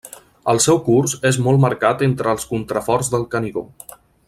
El seu curs és molt marcat entre els contraforts del Canigó.